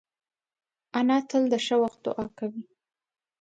انا تل د ښه وخت دعا کوي